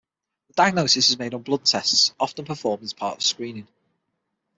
The diagnosis is made on blood tests, often performed as part of screening.